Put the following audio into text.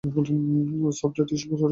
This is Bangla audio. Soft tissue sarcoma.